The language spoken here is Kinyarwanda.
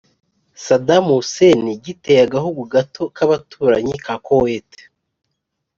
saddam hussein giteye agahugu gato k'abaturanyi ka koweit